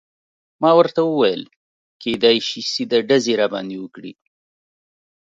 ما ورته وویل: کیدای شي سیده ډزې راباندې وکړي.